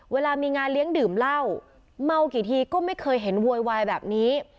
เวลามีงานเลี้ยงดื่มเหล้าเมากี่ทีก็ไม่เคยเห็นโวยวายแบบนี้